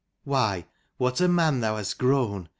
Why, what a man thou hast grown